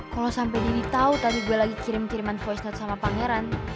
kalau sampai dewi tau tadi gue lagi kirim kiriman voice note sama pangeran